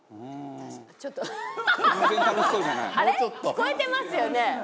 聞こえてますよね？」